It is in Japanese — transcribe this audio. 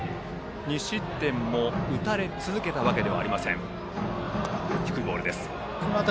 ２失点も打たれ続けたわけではありません。